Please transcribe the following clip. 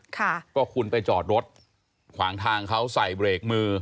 ค่ะก็คุณไปจอดรถขวางทางเขาใส่เบรกมือ